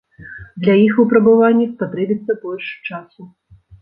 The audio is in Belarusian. Для іх выпрабавання спатрэбіцца больш часу.